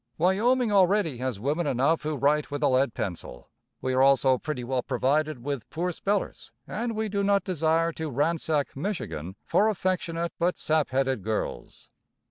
Wyoming already has women enough who write with a lead pencil. We are also pretty well provided with poor spellers, and we do not desire to ransack Michigan for affectionate but sap headed girls.